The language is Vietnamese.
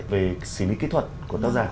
về xử lý kỹ thuật của tác giả